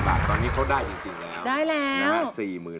๔๐๐๐บาทตอนนี้เขาได้จริงแล้ว